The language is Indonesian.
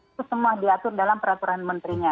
itu semua diatur dalam peraturan menterinya